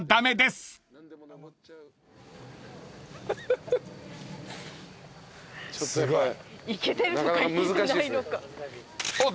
すごい。